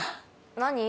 何？